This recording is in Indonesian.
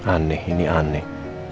aneh ini aneh